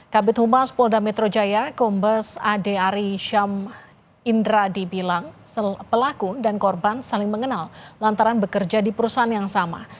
kabit humas polda metro jaya kombes ade ari syam indradi bilang pelaku dan korban saling mengenal lantaran bekerja di perusahaan yang sama